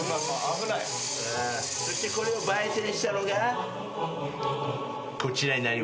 そしてこれを焙煎したのがこちらになります。